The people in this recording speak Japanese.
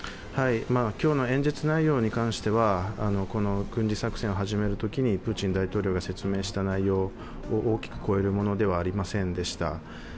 今日の演説内容に関してはこの軍事作戦を始めるときにプーチン大統領が説明した内容を大きく超えるものではありませんでした。